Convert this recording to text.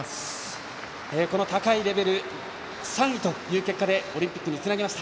この高いレベル３位という結果でオリンピックにつなぎました。